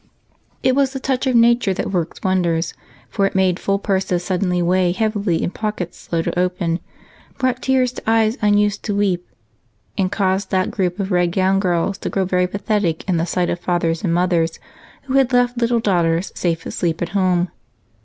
It was the touch of nature that works wonders, for it made full purses suddenly weigh heavily in pockets slow to open, brought tears to eyes unused to weep, and caused that group of red gowned girls to grow very pathetic in the sight of fathers and mothers who had left little daughters safe asleep at home.